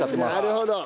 なるほど！